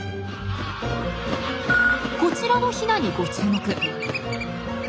こちらのヒナにご注目。